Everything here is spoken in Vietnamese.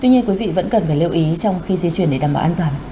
tuy nhiên quý vị vẫn cần phải lưu ý trong khi di chuyển để đảm bảo an toàn